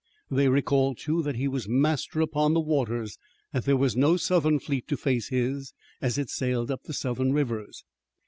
They recalled, too, that he was master upon the waters, that there was no Southern fleet to face his, as it sailed up the Southern rivers.